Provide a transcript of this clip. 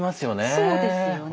そうですよね。